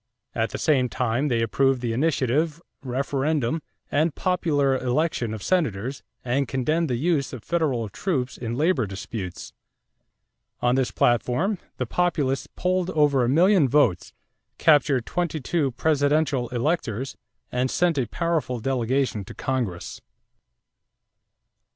At the same time they approved the initiative, referendum, and popular election of Senators, and condemned the use of federal troops in labor disputes. On this platform, the Populists polled over a million votes, captured twenty two presidential electors, and sent a powerful delegation to Congress.